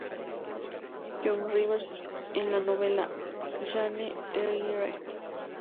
John Rivers, en la novela "Jane Eyre"